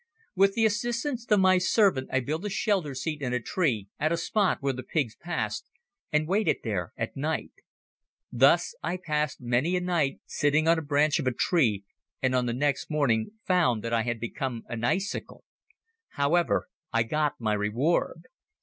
With the assistance of my servant I built a shelter seat in a tree, at a spot where the pigs passed, and waited there at night. Thus I passed many a night sitting on the branch of a tree and on the next morning found that I had become an icicle. However, I got my reward.